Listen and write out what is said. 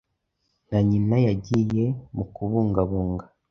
Na nyina yagiye mu kubungabunga